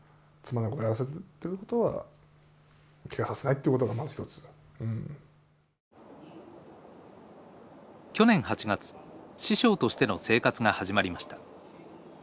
そういうところでね去年８月師匠としての生活が始まりました。